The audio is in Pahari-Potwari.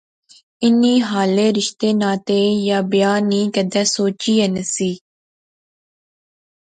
انی ہالے رشتے ناطے یا بیاہ نی کیدے سوچی ایہہ نہسی